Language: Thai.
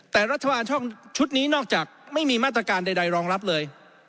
แต่รัฐบาลช่องชุดนี้นอกจากไม่มีมาตรการใดรองรับเลย